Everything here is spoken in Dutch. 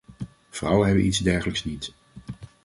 Vrouwen hebben iets dergelijks niet.